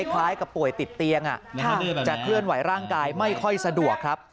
คล้ายกับป่วยติดเตียงจะเคลื่อนไหวร่างกายไม่ค่อยสะดวกครับ